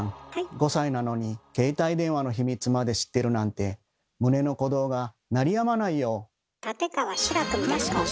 ５歳なのに携帯電話の秘密まで知ってるなんて立川志らくみたいな顔なのね。